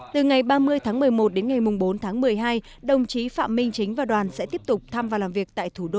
từ ngày ba mươi tháng một mươi một đến ngày bốn tháng một mươi hai đồng chí phạm minh chính và đoàn sẽ tiếp tục thăm và làm việc tại thủ đô